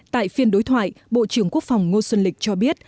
tại phiên đối thoại bộ trưởng quốc phòng ngô xuân lịch cho biết